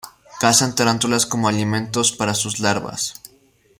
Cazan tarántulas como alimentos para sus larvas.